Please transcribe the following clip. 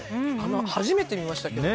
初めて見ましたけど。